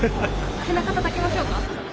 背中たたきましょうか。